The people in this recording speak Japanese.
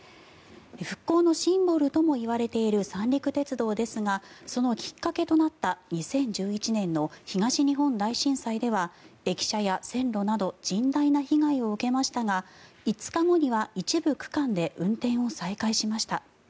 復興のシンボルともいわれている三陸鉄道ですがそのきっかけとなった２０１１年の東日本大震災では駅舎や線路など甚大な被害を受けましたが５日後には一部区間で運転を再開しました。